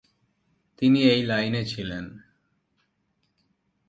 তিনি এই লাইনে ছিলেন।